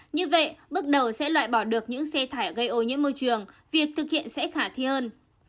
như vậy bước đầu sẽ loại bỏ được những xe thải gây ô nhiễm môi trường việc thực hiện sẽ khả thi hơn